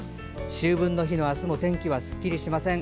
秋分の日の明日も天気はすっきりしません